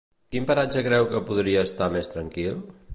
Quin paratge creu que podria estar més tranquil?